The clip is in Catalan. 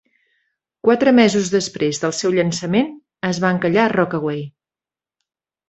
Quatre mesos després del seu llançament, es va encallar a Rockaway.